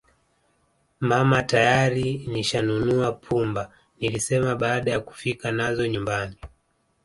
Mama tayari nishanunua pumba nilisema baada ya kufika nazo nyumbani